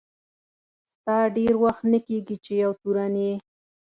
ستا ډېر وخت نه کیږي چي یو تورن یې.